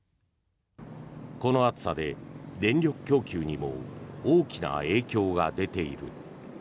この暑さで電力供給にも大きな影響が出ている。